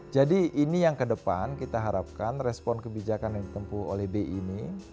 jadi ini yang kedepan kita harapkan respon kebijakan yang ditempuh oleh bi ini